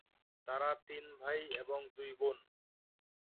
তারা তিন ভাই এবং দুই বোন।